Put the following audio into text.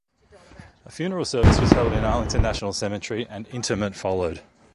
A funeral service was held in Arlington National Cemetery, and interment followed.